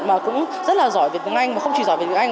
mà cũng rất là giỏi về tiếng anh mà không chỉ giỏi về tiếng anh